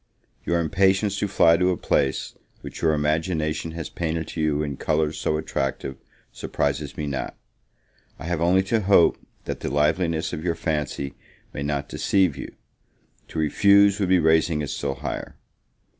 Your impatience to fly to a place which your imagination has painted to you in colors so attractive, surprises me not; I have only to hope, that the liveliness of your fancy may not deceive you: to refuse, would be raising it still higher.